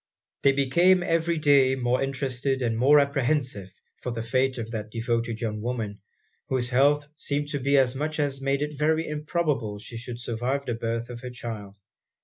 They became every day more interested and more apprehensive for the fate of that devoted young woman, whose health seemed to be such as made it very improbable she should survive the birth of her child.